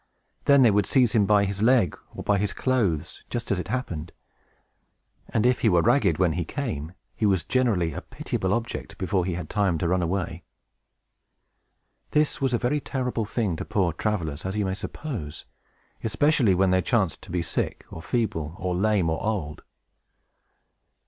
Then they would seize him by his leg, or by his clothes, just as it happened; and if he were ragged when he came, he was generally a pitiable object before he had time to run away. This was a very terrible thing to poor travelers, as you may suppose, especially when they chanced to be sick, or feeble, or lame, or old.